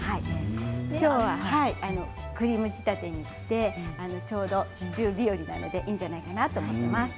今日はクリーム仕立てにしてちょうどシチュー日和なのでいいんじゃないかなと思います。